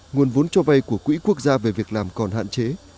nguồn vốn cho vay của quỹ quốc gia về việc làm còn hạn chế